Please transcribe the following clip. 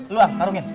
lu yang karungin